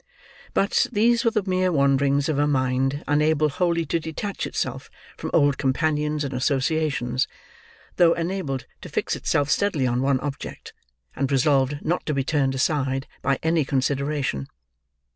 But, these were the mere wanderings of a mind unable wholly to detach itself from old companions and associations, though enabled to fix itself steadily on one object, and resolved not to be turned aside by any consideration.